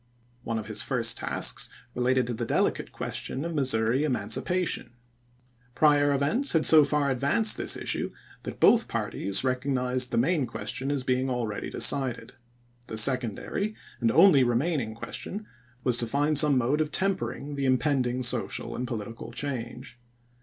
One of his first tasks related to the delicate question of Missouri emancipation. MISSOURI EADICALS AND CONSERVATIVES 207 Prior events had so far advanced this issue that chap.viii. both parties recognized the main question as being ah'eady decided. The secondary and only remain ing question was to find some mode of tempering the impending social and political change.